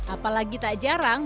apalagi tak jarang